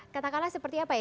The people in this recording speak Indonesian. katakanlah seperti apa ya